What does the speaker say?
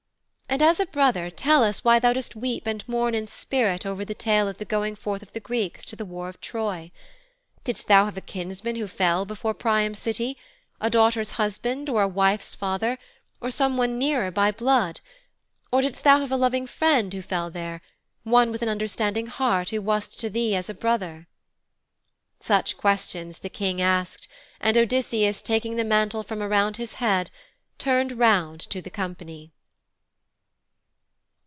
And as a brother tell us why thou dost weep and mourn in spirit over the tale of the going forth of the Greeks to the war of Troy. Didst thou have a kinsman who fell before Priam's City a daughter's husband, or a wife's father, or someone nearer by blood? Or didst thou have a loving friend who fell there one with an understanding heart who wast to thee as a brother?' Such questions the King asked, and Odysseus taking the mantle from around his head turned round to the company.